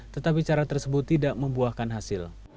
tetapi cara tersebut tidak membuahkan hasil